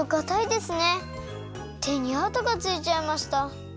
てにあとがついちゃいました。